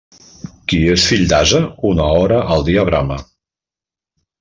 Qui és fill d'ase, una hora al dia brama.